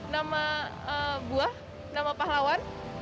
nama buah nama pahlawan